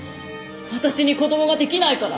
私に子供ができないから？